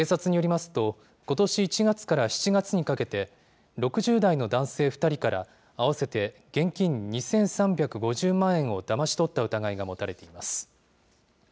警察によりますと、ことし１月から７月にかけて、６０代の男性２人から合わせて現金２３５０万円をだまし取った疑いが持たれています。